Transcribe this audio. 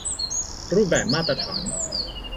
รูปแบบมาตรฐาน